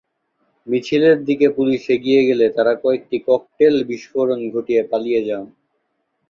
মিছিলের দিকে পুলিশ এগিয়ে গেলে তাঁরা কয়েকটি ককটেল বিস্ফোরণ ঘটিয়ে পালিয়ে যান।